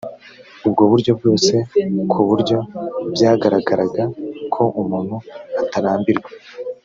ubwo buryo bwose ku buryo byagaragara ko umuntu atarambirwa